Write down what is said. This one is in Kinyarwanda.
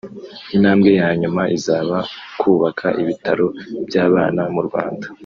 Intambwe ya nyuma izaba kubaka ibitaro by’abana mu Rwanda